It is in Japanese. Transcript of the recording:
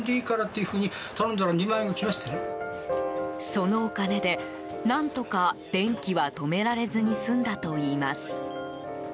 そのお金で、何とか電気は止められずに済んだといいます。